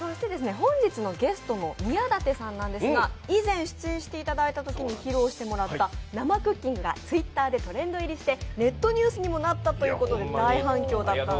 本日のゲストの宮舘さんなんですが以前出演していただいたときに披露してもらった生クッキングがＴｗｉｔｔｅｒでトレンド入りしてネットニュースにもなったということで大反響でした。